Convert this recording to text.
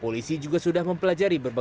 polisi juga sudah mempelajari peristiwa tersebut